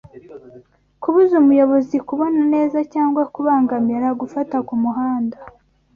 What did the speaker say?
Kubuza umuyobozi kubona neza cyangwa kubangamira gufata ku muhanda